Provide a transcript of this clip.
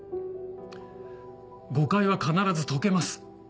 誤解は必ず解けます。